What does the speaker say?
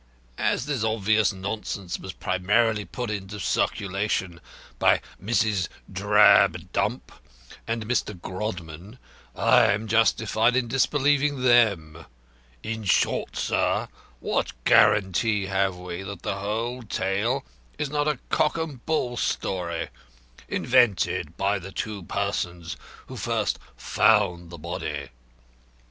As this obvious nonsense was primarily put in circulation by Mrs. Drabdump and Mr. Grodman, I am justified in disbelieving them. In short, sir, what guarantee have we that the whole tale is not a cock and bull story, invented by the two persons who first found the body?